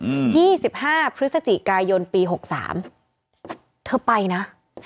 ยี่สิบห้าพฤศจิกายนปีหกสามเธอไปนะ